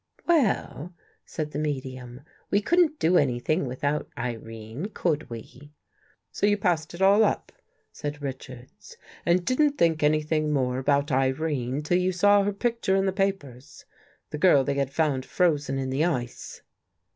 "" Well," said the medium, " we couldn't do any thing without Irene, could we? "" So you passed it all up," said Richards, " and didn't think anything more about Irene till you saw her picture in the papers — the girl they had found frozen in the ice."